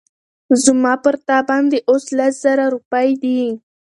زما پر تا باندي اوس لس زره روپۍ دي